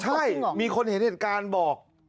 ใช่มีคนเห็นเหตุการณ์บอก